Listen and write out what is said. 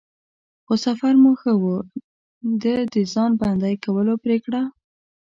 خو سفر مو ښه و، د د ځان بندی کولو پرېکړه.